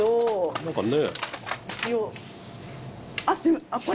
何かね。